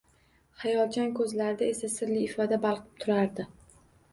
Xayolchan ko`zlarida esa sirli ifoda balqib turadi